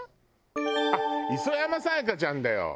あっ磯山さやかちゃんだよ！